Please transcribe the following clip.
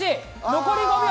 残り５秒。